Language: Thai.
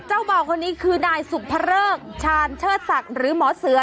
บ่าวคนนี้คือนายสุภเริกชาญเชิดศักดิ์หรือหมอเสือ